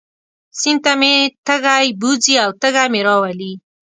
سیند ته مې تږی بوځي او تږی مې راولي.